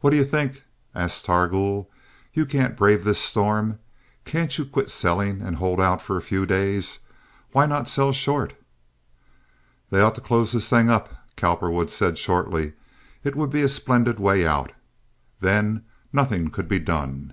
"What do you think?" asked Targool. "You can't brave this storm. Can't you quit selling and hold out for a few days? Why not sell short?" "They ought to close this thing up," Cowperwood said, shortly. "It would be a splendid way out. Then nothing could be done."